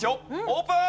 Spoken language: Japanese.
オープン！